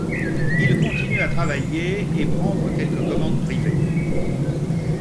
Il continue à travailler et prendre quelques commandes privées.